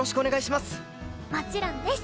もちろんです。